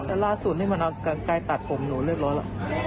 แล้วร่าสุดใกล้ตัดผมด้วยแล้วละ